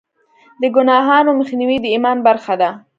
د ګناهونو مخنیوی د ایمان برخه ده.